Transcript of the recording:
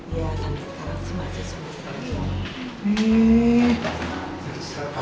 iya sampai sekarang sih masih semua sama